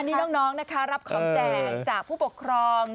อันนี้น้องรับของแจกจากผู้ปกครอง